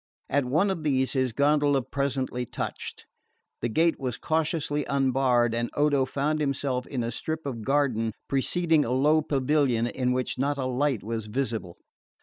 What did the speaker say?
At one of these his gondola presently touched. The gate was cautiously unbarred and Odo found himself in a strip of garden preceding a low pavilion in which not a light was visible.